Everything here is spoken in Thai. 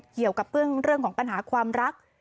เกี่ยวกับเรื่องของปัญหาความรัก